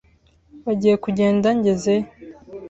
Bagiye kugenda ngezeyo.